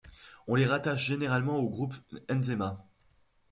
On les rattache généralement au groupe Nzema.